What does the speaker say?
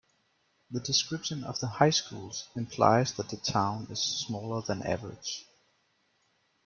The description of the high schools implies that the town is smaller than average.